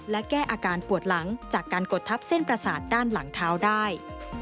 และแก้อาการปวดหลังจากการกดทับเส้นประสาทด้านหลังเท้าได้